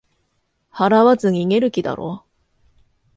払わず逃げる気だろう